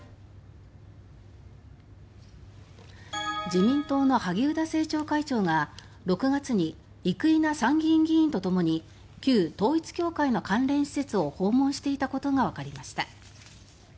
自民党の萩生田政調会長が６月に生稲参議院議員と共に旧統一教会の関連施設を訪問していた事がわかりました。